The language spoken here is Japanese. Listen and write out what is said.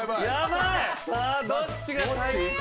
さあどっちが。